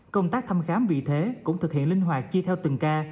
công tác thăm khám vì thế cũng thực hiện linh hoạt chia theo từng ca